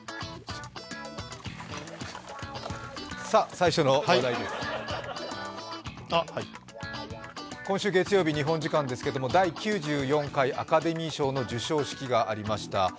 さあ、最初の話題に今週月曜日、日本時間ですけれども第９４回アカデミー賞の授賞式がありました。